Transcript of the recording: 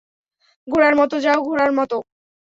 ঘোড়ার মতো যাও, ঘোড়ার মতো।